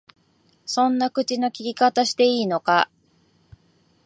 そんな口の利き方していいのか？